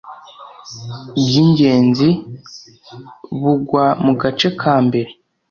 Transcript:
by ingenzi b ugwa mu gace kambere